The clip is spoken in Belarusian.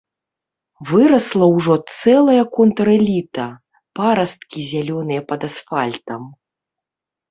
Вырасла ўжо цэлая контрэліта, парасткі зялёныя пад асфальтам.